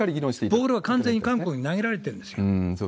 ボールは完全に韓国に投げられてるんですよ。